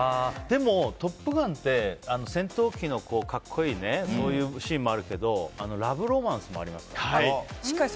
でも、「トップガン」って戦闘機の格好いいそういうシーンもあるけどラブロマンスもありますから。